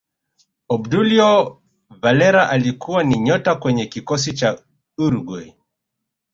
obdulio valera alikuwa ni nyota kwenye kikosi cha Uruguay